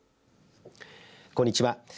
こんにちは。